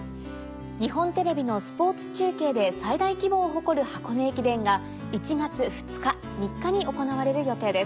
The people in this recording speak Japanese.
日本テレビのスポーツ中継で最大規模を誇る箱根駅伝が１月２日・３日に行われる予定です。